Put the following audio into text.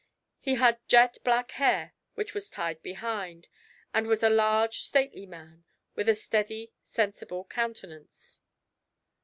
He had jet black hair which was tied behind, and was a large, stately man, with a steady, sensible countenance."